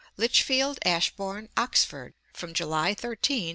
Lichfield, Ashbourn, Oxford, from July 13 to Nov.